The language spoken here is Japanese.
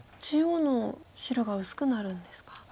中央の白が薄くなるんですか。